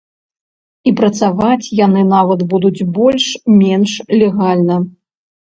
І працаваць яны нават будуць больш-менш легальна.